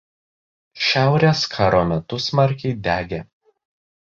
Šiaurės karo metu smarkiai degė.